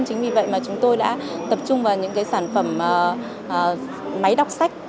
chính vì vậy mà chúng tôi đã tập trung vào những sản phẩm máy đọc sách